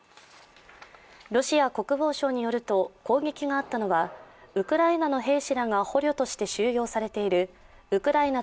ロシア国防省によると、攻撃があったのは、ウクライナの兵士らが捕虜として収容されているウクライナ